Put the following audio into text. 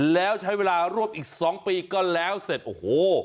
แล้วใช้เวลารวบอีก๒ปีก็แล้วเสร็จโอ้โห